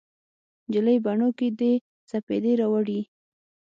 نجلۍ بڼو کې دې سپیدې راوړي